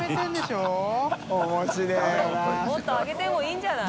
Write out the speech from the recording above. もっと上げてもいいんじゃない？